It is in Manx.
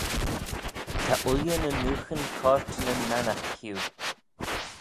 Ta ooilley ny nooghyn coyrt nyn mannaght hiu.